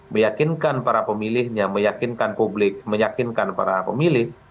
meyakinkan para pemilihnya meyakinkan publik meyakinkan para pemilih